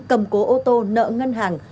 cầm cố ô tô nợ ngân hàng